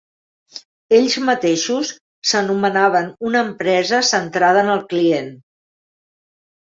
Ells mateixos s'anomenaven una empresa centrada en el client.